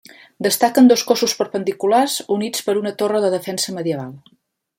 Destaquen dos cossos perpendiculars units per una torre de defensa medieval.